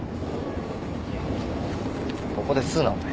ここで吸うなお前。